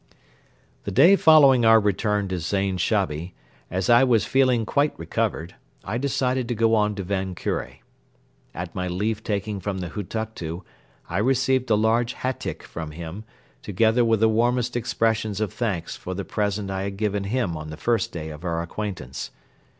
The day following our return to Zain Shabi, as I was feeling quite recovered, I decided to go on to Van Kure. At my leave taking from the Hutuktu I received a large hatyk from him together with warmest expressions of thanks for the present I had given him on the first day of our acquaintance.